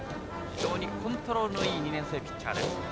非常にコントロールのいい２年生ピッチャーです。